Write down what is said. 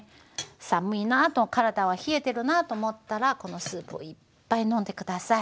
寒いなと体は冷えてるなと思ったらこのスープをいっぱい飲んで下さい。